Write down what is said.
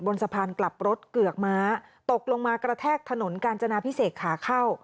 สะพานกลับรถเกือกม้าตกลงมากระแทกถนนกาญจนาพิเศษขาเข้า